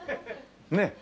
ねえ。